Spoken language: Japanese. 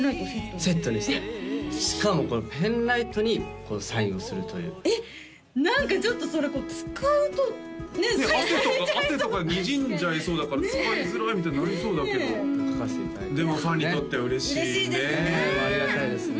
セットにしてしかもこれペンライトにサインをするというえっ何かちょっとそれ使うとねっ汗とかでにじんじゃいそうだから使いづらいみたいになりそうだけどでもファンにとっては嬉しいねありがたいですね